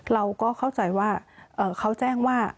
เราก็เข้าใจว่าเขาแจ้งว่า